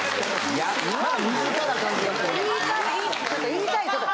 言いたいこと。